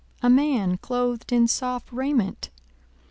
A man clothed in soft raiment?